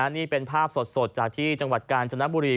นี่เป็นภาพสดจากที่จังหวัดกาญจนบุรี